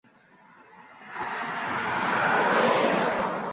弯曲喇叭口螺为虹蛹螺科喇叭螺属的动物。